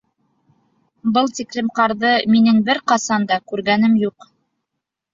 Был тиклем ҡарҙы минең бер ҡасан да күргәнем юҡ.